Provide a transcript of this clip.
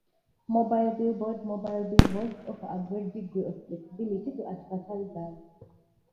Mobile billboard - Mobile billboards offer a great degree of flexibility to advertisers.